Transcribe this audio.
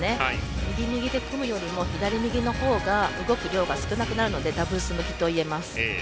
右、右で組むよりも左、右のほうが動く量が少なくなるのでダブルス向きといえます。